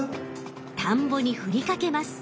田んぼにふりかけます！